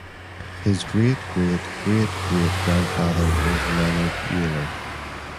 His great-great-great-great grandfather was Leonhard Euler.